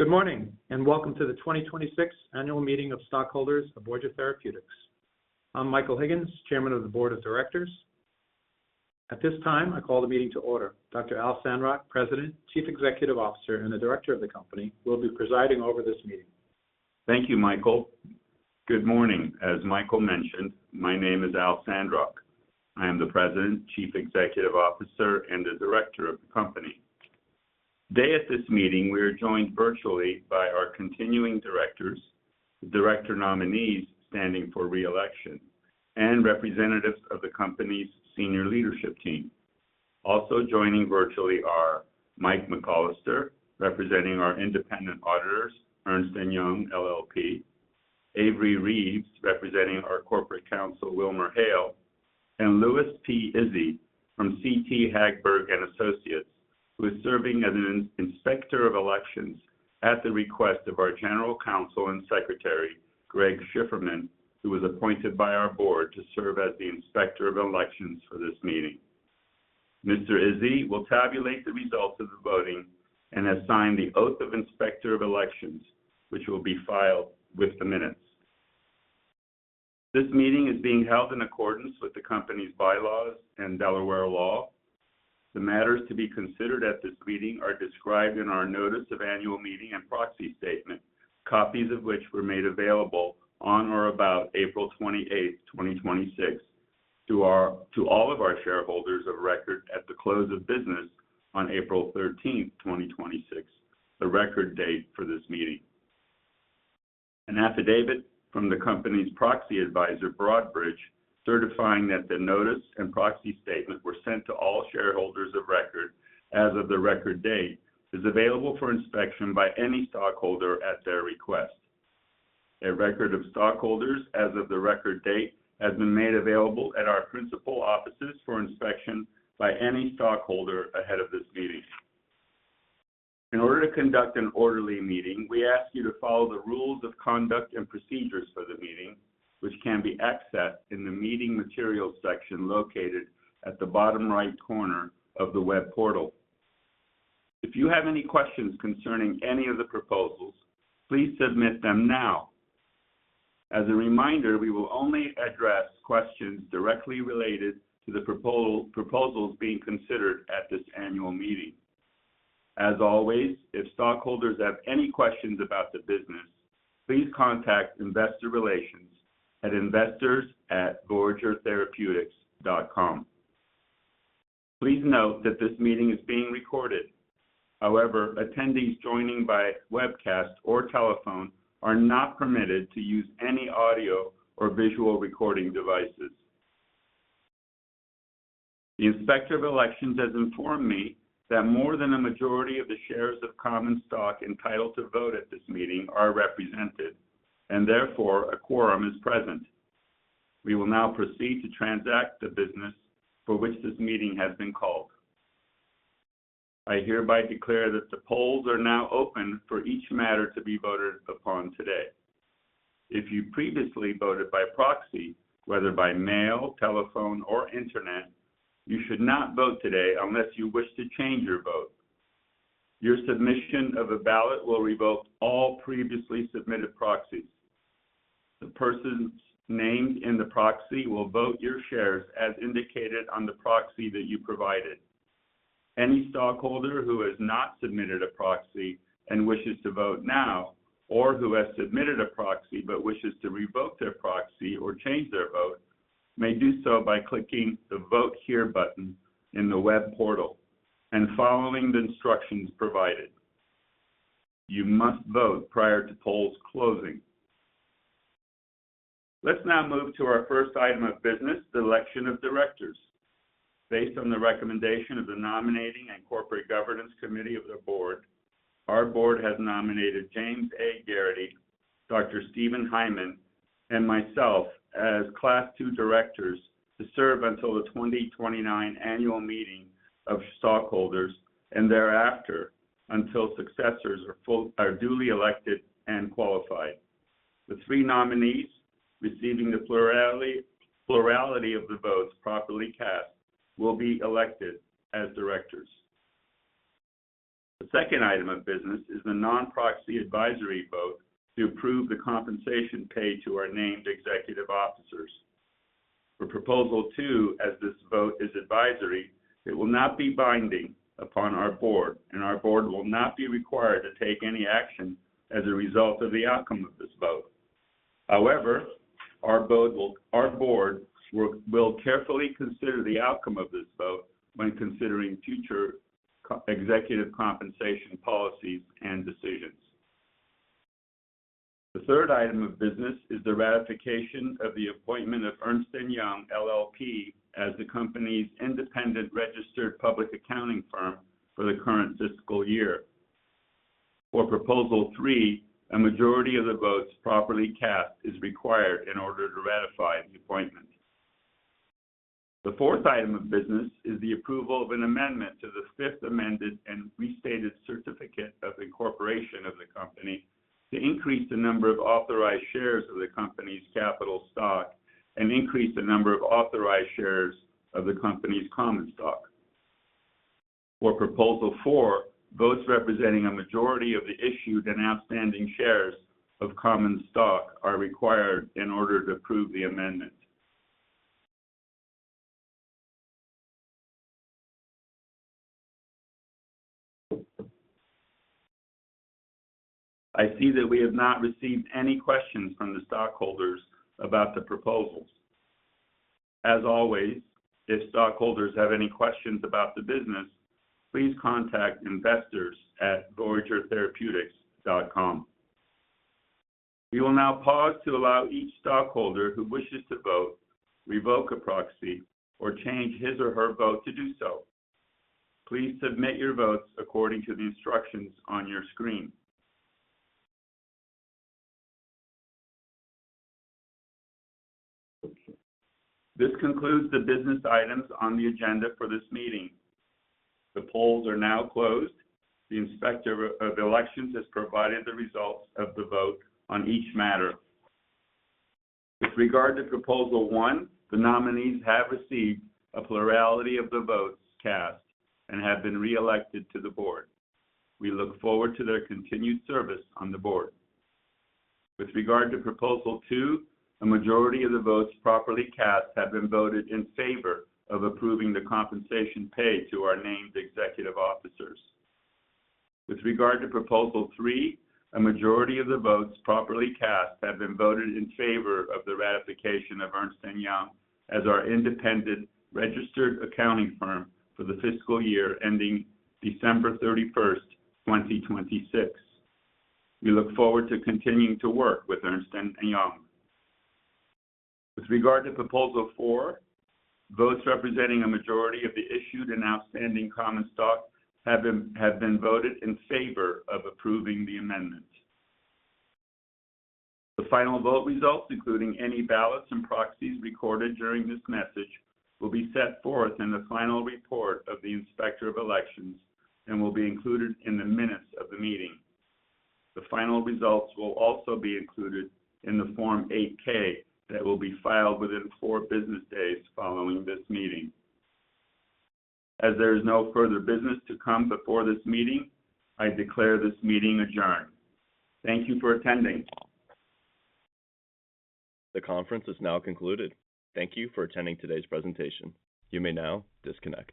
Good morning, welcome to the 2026 Annual Meeting of Stockholders of Voyager Therapeutics. I'm Michael Higgins, Chairman of the Board of Directors. At this time, I call the meeting to order. Dr. Al Sandrock, President, Chief Executive Officer, and the Director of the company, will be presiding over this meeting. Thank you, Michael. Good morning. As Michael mentioned, my name is Al Sandrock. I am the President, Chief Executive Officer, and the Director of the company. Today at this meeting, we are joined virtually by our continuing directors, director nominees standing for re-election, and representatives of the company's senior leadership team. Also joining virtually are Mike McCollister, representing our independent auditors, Ernst & Young LLP, Avery Reaves, representing our corporate counsel, WilmerHale, Louis P. Izzi from C.T. Hagberg & Associates, who is serving as an Inspector of Elections at the request of our General Counsel and Secretary, Greg Shiferman, who was appointed by our Board to serve as the Inspector of Elections for this meeting. Mr. Izzi will tabulate the results of the voting and has signed the oath of Inspector of Elections, which will be filed with the minutes. This meeting is being held in accordance with the company's bylaws and Delaware law. The matters to be considered at this meeting are described in our notice of annual meeting and proxy statement, copies of which were made available on or about April 28th, 2026, to all of our shareholders of record at the close of business on April 13th, 2026, the record date for this meeting. An affidavit from the company's proxy advisor, Broadridge, certifying that the notice and proxy statement were sent to all shareholders of record as of the record date, is available for inspection by any stockholder at their request. A record of stockholders as of the record date has been made available at our principal offices for inspection by any stockholder ahead of this meeting. In order to conduct an orderly meeting, we ask you to follow the rules of conduct and procedures for the meeting, which can be accessed in the meeting materials section located at the bottom right corner of the web portal. If you have any questions concerning any of the proposals, please submit them now. As a reminder, we will only address questions directly related to the proposals being considered at this annual meeting. As always, if stockholders have any questions about the business, please contact investor relations at investors@voyagertherapeutics.com. Please note that this meeting is being recorded. Attendees joining by webcast or telephone are not permitted to use any audio or visual recording devices. The Inspector of Elections has informed me that more than a majority of the shares of common stock entitled to vote at this meeting are represented, and therefore, a quorum is present. We will now proceed to transact the business for which this meeting has been called. I hereby declare that the polls are now open for each matter to be voted upon today. If you previously voted by proxy, whether by mail, telephone, or internet, you should not vote today unless you wish to change your vote. Your submission of a ballot will revoke all previously submitted proxies. The persons named in the proxy will vote your shares as indicated on the proxy that you provided. Any stockholder who has not submitted a proxy and wishes to vote now, or who has submitted a proxy but wishes to revoke their proxy or change their vote, may do so by clicking the Vote Here button in the web portal and following the instructions provided. You must vote prior to polls closing. Let's now move to our first item of business, the election of directors. Based on the recommendation of the nominating and corporate governance committee of the board, our board has nominated James A. Geraghty, Dr. Steven Hyman, and myself as Class II directors to serve until the 2029 annual meeting of stockholders and thereafter until successors are duly elected and qualified. The three nominees receiving the plurality of the votes properly cast will be elected as directors. The second item of business is the non-proxy advisory vote to approve the compensation paid to our named executive officers. For proposal two, as this vote is advisory, it will not be binding upon our board, and our board will not be required to take any action as a result of the outcome of this vote. However, our board will carefully consider the outcome of this vote when considering future executive compensation policies and decisions. The third item of business is the ratification of the appointment of Ernst & Young LLP as the company's independent registered public accounting firm for the current fiscal year. For proposal three, a majority of the votes properly cast is required in order to ratify the appointment. The fourth item of business is the approval of an amendment to the Fifth Amended and Restated Certificate of Incorporation of the Company to increase the number of authorized shares of the company's capital stock and increase the number of authorized shares of the company's common stock. For Proposal four, votes representing a majority of the issued and outstanding shares of common stock are required in order to approve the amendment. I see that we have not received any questions from the stockholders about the proposals. As always, if stockholders have any questions about the business, please contact investors@voyagertherapeutics.com. We will now pause to allow each stockholder who wishes to vote, revoke a proxy, or change his or her vote to do so. Please submit your votes according to the instructions on your screen. This concludes the business items on the agenda for this meeting. The polls are now closed. The Inspector of Elections has provided the results of the vote on each matter. With regard to Proposal one, the nominees have received a plurality of the votes cast and have been reelected to the board. We look forward to their continued service on the board. With regard to Proposal 2, a majority of the votes properly cast have been voted in favor of approving the compensation paid to our named executive officers. With regard to Proposal 3, a majority of the votes properly cast have been voted in favor of the ratification of Ernst & Young as our independent registered accounting firm for the fiscal year ending December 31st, 2026. We look forward to continuing to work with Ernst & Young. With regard to Proposal 4, votes representing a majority of the issued and outstanding common stock have been voted in favor of approving the amendment. The final vote results, including any ballots and proxies recorded during this message, will be set forth in the final report of the Inspector of Elections and will be included in the minutes of the meeting. The final results will also be included in the Form 8-K that will be filed within four business days following this meeting. As there is no further business to come before this meeting, I declare this meeting adjourned. Thank you for attending. The conference is now concluded. Thank you for attending today's presentation. You may now disconnect.